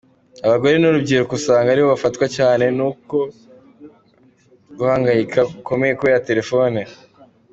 Abagore n’urubyiruko usanga aribo bafatwa cyane n’uko guhangayika gukomeye kubera telefoni.